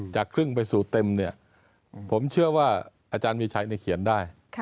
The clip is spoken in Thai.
จากครึ่งไปสู่เต็มเนี่ยผมเชื่อว่าอาจารย์มีชัยเขียนได้